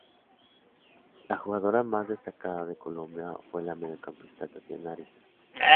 La jugadora más destacada de Colombia, fue la mediocampista Tatiana Ariza.